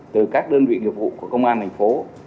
từ các đơn vị nghiệp vụ của công an tp hcm